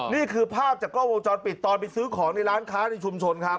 นี่คือภาพจากกล้องวงจรปิดตอนไปซื้อของในร้านค้าในชุมชนครับ